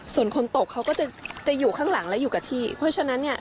ส่วนคนตกเขาก็จะจะอยู่ข้างหลังและอยู่กับที่เพราะฉะนั้นเนี่ย